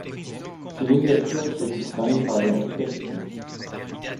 Ses miniatures se distinguent par leur vitalité.